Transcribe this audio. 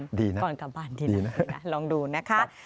ดีนะดีนะลองดูนะคะพอกลับบ้านดีนะลองดูนะคะ